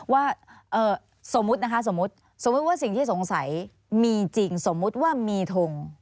ว่าสมมุตินะคะสมมุติสมมุติว่าสิ่งที่สงสัยมีจริงสมมุติว่ามีทง